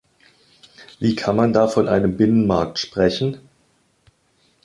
Wie kann man da von einem Binnenmarkt sprechen?